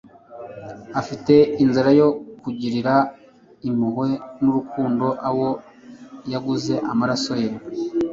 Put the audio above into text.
Afite inzara yo kugirira impuhwe n’urukundo abo yaguze amaraso ye.